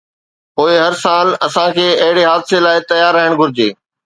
پوءِ هر سال اسان کي اهڙي حادثي لاءِ تيار رهڻ گهرجي.